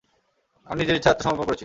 আমি নিজের ইচ্ছায় আত্মসমর্পণ করেছি।